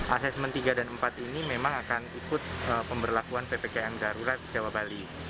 asesmen tiga dan empat ini memang akan ikut pemberlakuan ppkm darurat jawa bali